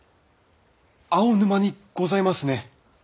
青沼にございますね！